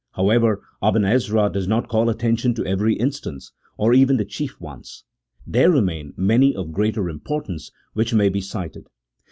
HoweTer, Aben Ezra does not call attention to every instance, or even the chief ones ; there remain many of greater im portance, which may be cited.